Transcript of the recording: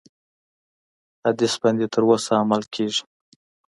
حدیث باندي تر اوسه عمل کیږي.